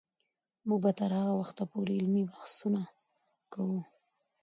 موږ به تر هغه وخته پورې علمي بحثونه کوو.